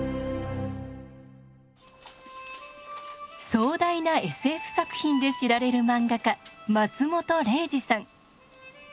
壮大なＳＦ作品で知られる漫画家松本零士さん。